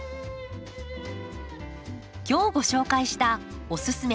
今日ご紹介した「おススメ！